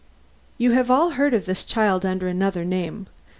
You have all heard of this child under another name.